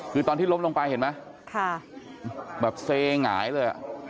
คือตอนที่ล้มลงไปเห็นไหมแบบเซหงายเลย